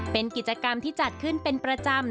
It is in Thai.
เป็นกิจกรรมที่จัดขึ้นเป็นประจำ